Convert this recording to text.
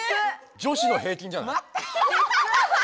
女子の平均じゃない？